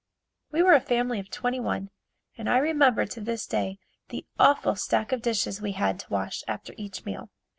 We were a family of twenty one and I remember to this day the awful stack of dishes we had to wash after each meal.